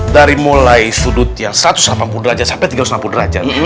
dari mulai sudut yang satu ratus delapan puluh derajat sampai tiga ratus lima puluh derajat